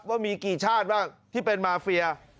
ว่ามีกี่ชาติบ้างที่เป็นมาเฟีย